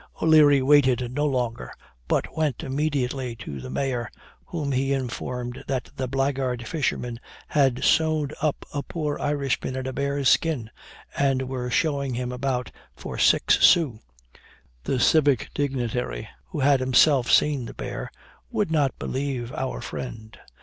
O'Leary waited no longer, but went immediately to the mayor, whom he informed that the blackguard fishermen had sewed up a poor Irishman in a bear's skin, and were showing him about for six sous! The civic dignitary, who had himself seen the bear, would not believe our friend.